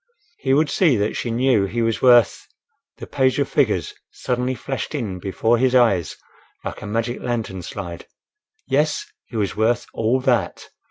He would see that she knew he was worth—the page of figures suddenly flashed in before his eyes like a magic lantern slide. Yes, he was worth all that!